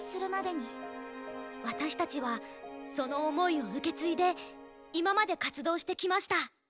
私たちはその想いを受け継いで今まで活動してきました。